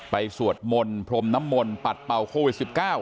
สวดมนต์พรมน้ำมนต์ปัดเป่าโควิด๑๙